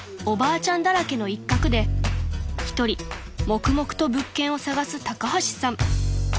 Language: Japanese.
おばあちゃんだらけの一角で一人黙々と物件を探す高橋さん］